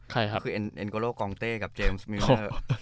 ครับคือเอ็นโกโลกองเต้กับเจมส์มิวเซอร์